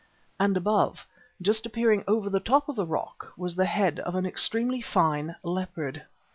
And above, just appearing over the top of the rock, was the head of an extremely fine leopard.